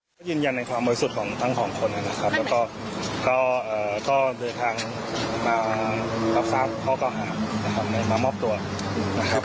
ก็ไม่มีความโขงว่างค่ะเพราะข้อมูลเราเยี่ยงพอแล้วค่ะ